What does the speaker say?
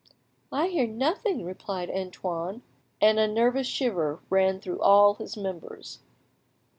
"I hear nothing," replied Antoine, and a nervous shiver ran through all his members.